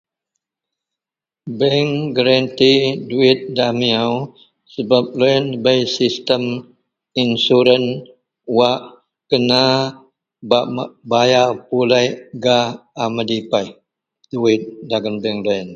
Bank gerenti duwit nda miyau sebab loyen bei sistem insuran wak kena bak, bak bayar pulik gak a medipeh duwit dagen bank deloyen.